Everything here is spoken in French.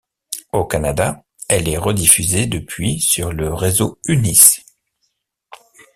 Au Canada, elle est rediffusée depuis sur le réseau Unis.